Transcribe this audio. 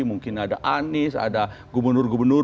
mungkin ada anies ada gubernur gubernur